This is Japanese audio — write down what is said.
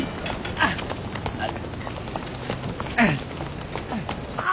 あっあっ。